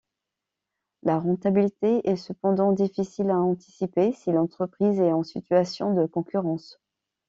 La rentabilité est cependant difficile à anticiper si l'entreprise est en situation de concurrence.